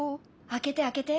開けて開けて！